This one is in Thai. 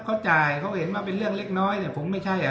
เขาจ่ายเขาเห็นมาเป็นเรื่องเล็กน้อยเนี่ยผมไม่ใช่อ่ะ